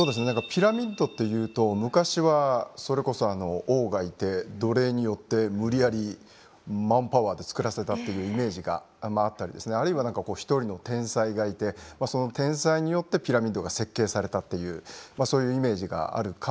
ピラミッドというと昔はそれこそ王がいて奴隷によって無理やりマンパワーで造らせたというイメージがあったりですねあるいは一人の天才がいてその天才によってピラミッドが設計されたというそういうイメージがあるかもしれないんですが。